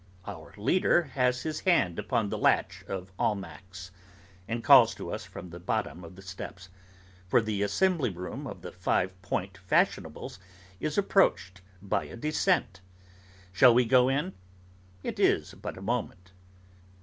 Our leader has his hand upon the latch of 'Almack's,' and calls to us from the bottom of the steps; for the assembly room of the Five Point fashionables is approached by a descent. Shall we go in? It is but a moment.